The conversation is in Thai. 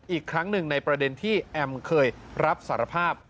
อีกครั้งหนึ่งในประเด็นที่แอมเคยรับสารภาพ